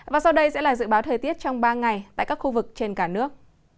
và sau đây sẽ là dự báo thời tiết trong ba ngày tại các khu vực trên cả nước